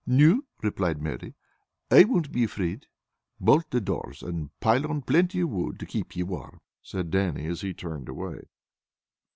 "No," replied Mary, "I won't be afraid." "Bolt the doors, and pile on plenty of wood to keep ye warm," said Dannie as he turned away.